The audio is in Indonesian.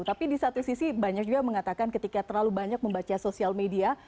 tapi di satu sisi banyak juga yang mengatakan ketika terlalu banyak membaca sosial media